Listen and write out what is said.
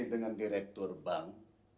dengan direktur bank